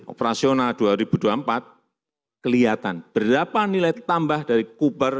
operasional dua ribu dua puluh empat kelihatan berapa nilai tambah dari kubar